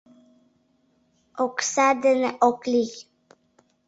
— Окса дене ок лий?